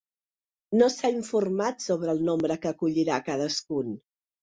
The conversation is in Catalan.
No s’ha informat sobre el nombre que acollirà cadascun.